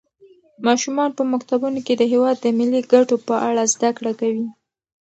ماشومان په مکتبونو کې د هېواد د ملي ګټو په اړه زده کړه کوي.